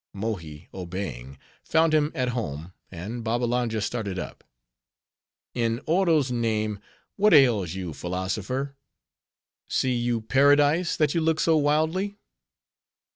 Mohi, obeying, found him at home; and Babbalanja started up. "In Oro's name, what ails you, philosopher? See you Paradise, that you look so wildly?"